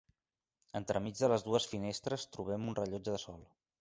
Entremig de les dues finestres trobem un rellotge de sol.